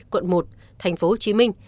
quận một tp hcm